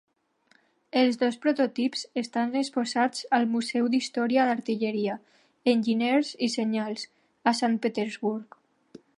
Els dos prototips estan exposats al museu d'història d'artilleria, enginyers i senyals, a Sant Petersburg.